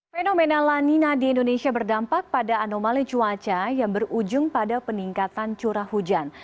fenomena lanina di indonesia berdampak pada anomali cuaca yang berujung pada peningkatan curah hujan